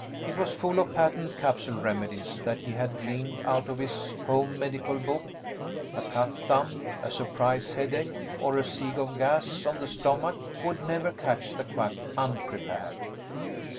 It was full of patent capsule remedies that he had gleaned out of his home medical book a cut thumb, a surprise headache, or a siege of gas on the stomach would never catch the Quack unprepared!